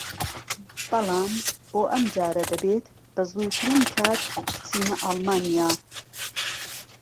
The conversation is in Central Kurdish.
بەڵام بۆ ئەمجارە دەبێت بەزووترین کات بچینە ئەڵمانیا